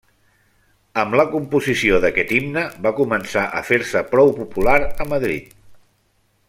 Amb la composició d'aquest himne va començar a fer-se prou popular a Madrid.